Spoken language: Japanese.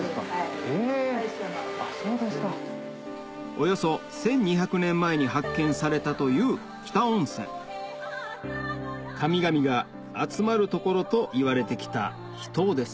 およそ１２００年前に発見されたという北温泉神々が集まる所といわれて来た秘湯です